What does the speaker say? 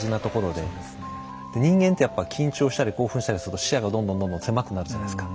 で人間ってやっぱ緊張したり興奮したりすると視野がどんどんどんどん狭くなるじゃないですか。